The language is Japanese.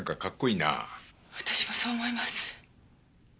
私もそう思います。